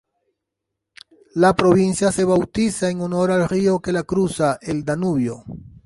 La provincia se bautiza en honor al río que la cruza, el Danubio.